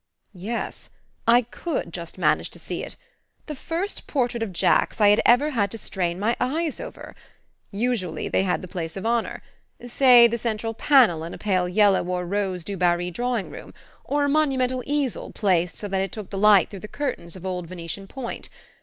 Yes I could just manage to see it the first portrait of Jack's I had ever had to strain my eyes over! Usually they had the place of honour say the central panel in a pale yellow or rose Dubarry drawing room, or a monumental easel placed so that it took the light through curtains of old Venetian point.